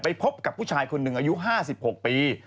พบกับผู้ชายคนหนึ่งอายุ๕๖ปี